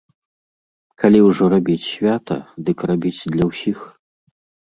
Калі ўжо рабіць свята, дык рабіць для ўсіх.